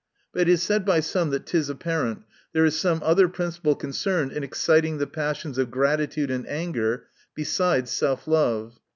But it is said by some, that it is apparent, there is some other principle con cerned in exciting the passions of gratitude and anger, besides self love, viz.